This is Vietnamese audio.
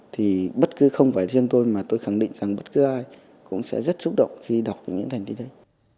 thì bất cứ không phải riêng tôi mà tôi khẳng định rằng bất cứ ai cũng sẽ rất xúc động khi đọc được những thành tích đấy